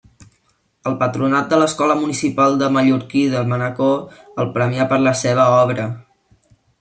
El Patronat de l'Escola Municipal de Mallorquí de Manacor el premià per la seva obra.